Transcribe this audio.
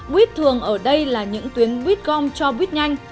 buýt thường ở đây là những tuyến buýt gom cho buýt nhanh